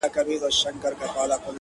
او د دنيا له لاسه.